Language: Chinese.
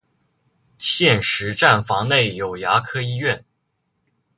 现时站房内有牙科医院。